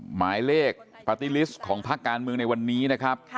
หมายเลขปาร์ตี้ลิสต์ของภาคการเมืองในวันนี้นะครับ